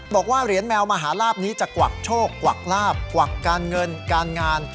บอกว่าเหรียญแมวมหาลาบนี้จะกวักโชคกวักลาบกวักการเงินการงาน